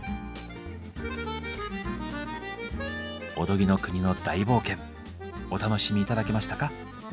おとぎの国の大冒険お楽しみ頂けましたか？